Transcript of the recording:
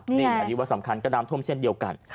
นี่สุธาวาดนี่แหละนี่สำคัญก็น้ำท่วมเช่นเดียวกัน